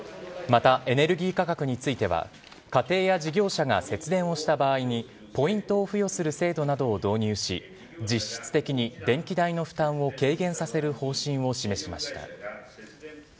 またエネルギー価格については、家庭や事業者が節電をした場合に、ポイントを付与する制度などを導入し、実質的に電気代の負担を軽減させる方針を示しました。